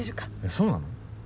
そうなの？